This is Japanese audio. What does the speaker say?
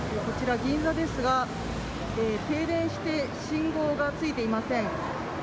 こちら銀座ですが、停電して、信号がついていません。